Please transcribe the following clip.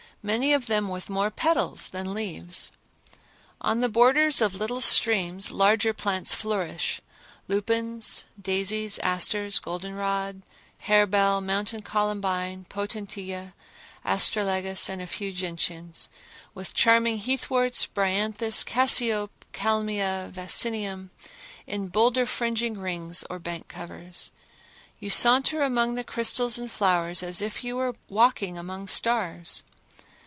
many of them with more petals than leaves. On the borders of little streams larger plants flourish—lupines, daisies, asters, goldenrods, hairbell, mountain columbine, potentilla, astragalus and a few gentians; with charming heathworts—bryanthus, cassiope, kalmia, vaccinium in boulder fringing rings or bank covers. You saunter among the crystals and flowers as if you were walking among stars.